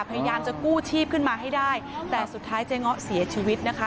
พยายามจะกู้ชีพขึ้นมาให้ได้แต่สุดท้ายเจ๊ง้อเสียชีวิตนะคะ